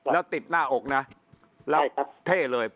แล้วติดหน้าอกนะแล้วเท่เลย